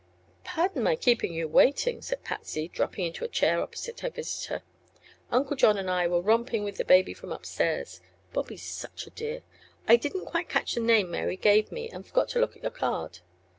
"Pardon my keeping you waiting," said Patsy, dropping into a chair opposite her visitor, "Uncle John and I were romping with the baby from upstarts Bobby's such a dear! I didn't quite catch the name Mary gave me and forgot to look at your card."